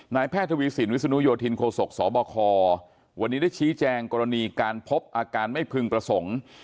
แพทย์ทวีสินวิศนุโยธินโคศกสบควันนี้ได้ชี้แจงกรณีการพบอาการไม่พึงประสงค์